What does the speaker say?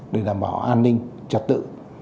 để đảm bảo an ninh trật tự